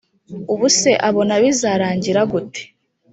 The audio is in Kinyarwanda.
ubuse abona bizarangira gute